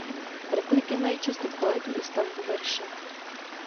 Repliky mají často kvalitu i stavbu verše.